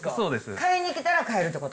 買いに来たら買えるってこと？